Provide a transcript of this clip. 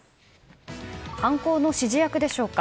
犯行の指示役でしょうか。